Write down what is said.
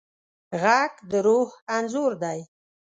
غږ د روح انځور دی